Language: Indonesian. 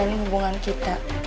rancang hubungan kita